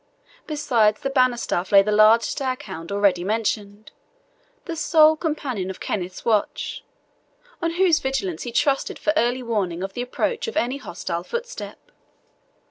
Beside the banner staff lay the large staghound already mentioned, the sole companion of Kenneth's watch, on whose vigilance he trusted for early warning of the approach of any hostile footstep.